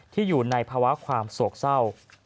อยู่ในภาวะความโศกเศร้า